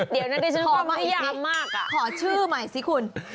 เดี๋ยวนั้นก็จะขออีกนิดนึงขอชื่อใหม่สิคุณ